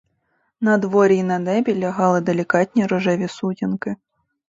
Надворі й на небі лягли делікатні рожеві сутінки.